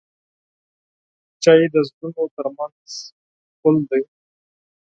چای د زړونو ترمنځ پل دی.